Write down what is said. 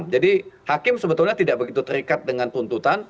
jadi hakim sebetulnya tidak begitu terikat dengan tuntutan